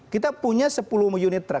kita punya sepuluh unit truk